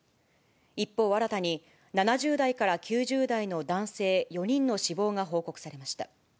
一方、新たに７０代から９０代の男性４人の死亡が報告されました。